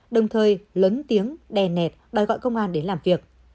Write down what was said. đồng thời lấn tiếng đè nẹt đòi gọi công an để làm việc